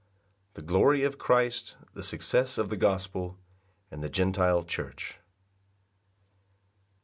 The glory of Christ; the success of the gospel; and the Gentile church.